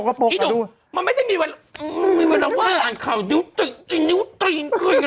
เหมือนไหมเอาดูดิ